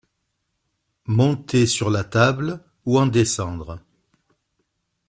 Monter sur la table ou en descendre.